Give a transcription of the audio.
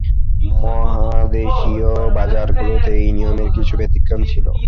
মহাদেশীয় বাজারগুলিতে এই নিয়মের কিছু ব্যতিক্রম ছিল।